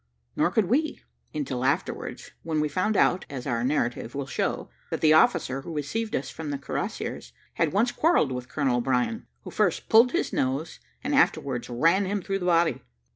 Nor could we, until afterwards, when we found out, as our narrative will show, that the officer who received us from the cuirassiers had once quarrelled with Colonel O'Brien, who first pulled his nose, and afterwards ran him through the body.